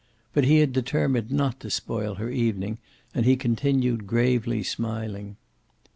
But he had determined not to spoil her evening, and he continued gravely smiling.